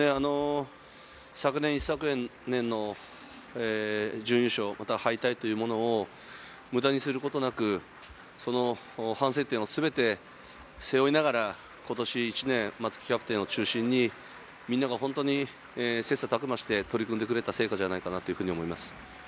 昨年、一昨年の準優勝敗退というものを無駄にすることなく、反省点を全て背負いながら今年１年、松木キャプテンを中心にみんなが本当に切磋琢磨して取り組んでくれた成果じゃないかなと思います。